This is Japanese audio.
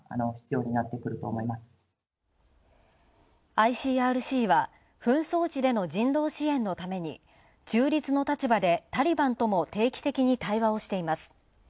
ＩＣＲＣは、紛争地での人道支援のために、中立の立場でタリバンとも定期的に対話をしています。